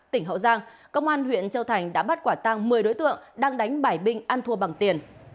tỉnh hậu giang công an huyện châu thành đã bắt quả tăng một mươi đối tượng đang đánh bải binh ăn thua bằng tiền